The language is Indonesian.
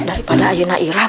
daripada ayu na irah